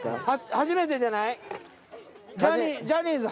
初めてじゃない？